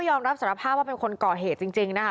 ยอมรับสารภาพว่าเป็นคนก่อเหตุจริงนะคะ